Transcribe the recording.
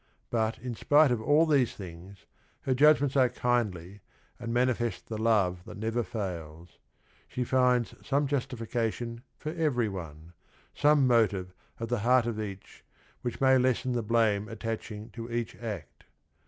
But in spite of all these things, her judgments are kindly and manifest the love that never fails. She finds some justification for every one, some mo tive at the heart of each which may lessen the blame attaching to eacITact.